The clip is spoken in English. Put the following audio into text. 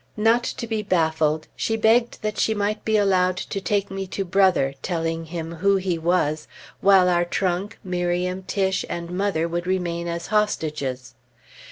Not to be baffled, she begged that she might be allowed to take me to Brother, telling him who he was, while our trunk, Miriam, Tiche, and mother would remain as hostages.